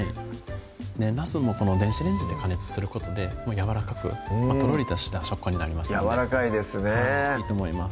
なすも電子レンジで加熱することでやわらかくとろりとした食感になりますのでやわらかいですねいいと思います